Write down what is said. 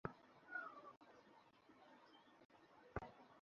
এসব কারণে বিকল্প একটি আবাসের ব্যবস্থা করতে চেষ্টা চালিয়ে যাচ্ছে অস্ট্রেলিয়া।